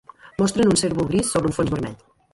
Mostren un cérvol gris sobre un fons vermell.